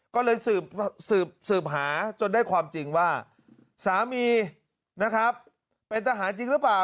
ก็เลยสืบหาจนได้ความจริงว่าสามีนะครับเป็นทหารจริงหรือเปล่า